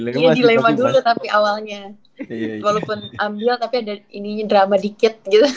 walaupun ambil tapi ada ini drama dikit gitu